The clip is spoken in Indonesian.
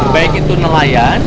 baik itu nelayan